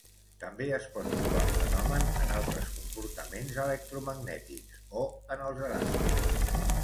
També es pot trobar el fenomen en altres comportaments electromagnètics, o en els elàstics.